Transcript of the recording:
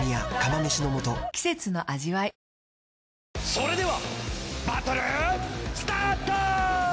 それではバトルスタート！